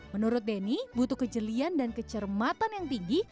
menurut denny butuh kejelian dan kecermatan yang tinggi